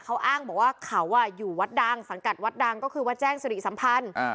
เขาอ้างบอกว่าเขาอยู่วัดดังสังกัดวัดดังก็คือวัดแจ้งสิริสัมพันธ์